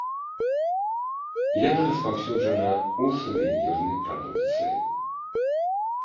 Яна распаўсюджана ў сувенірнай прадукцыі.